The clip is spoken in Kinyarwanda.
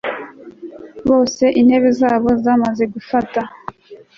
bose intebe zabo zamaze kufata